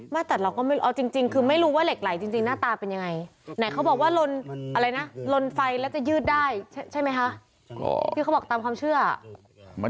ไม่แต่เราก็ไม่รู้เอาจริงคือไม่รู้ว่าเหล็กไหลจริงหน้าตาเป็นยังไงไหนเขาบอกว่าลนอะไรนะลนไฟแล้วจะยืดได้ใช่ไหมฮะ